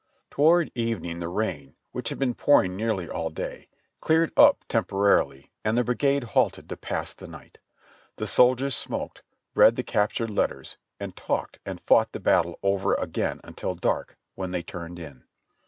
Toward evening the rain, which had been pouring nearly all day, cleared up temporarily, and the brigade halted to pass the night. The soldiers smoked, read the captured letters, and talked and fought the battle over again until dark, when they turned in.